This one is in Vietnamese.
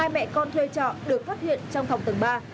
hai mẹ con thuê trọ được phát hiện trong phòng tầng ba